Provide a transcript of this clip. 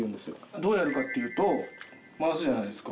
どうやるかというと、回すじゃないですか。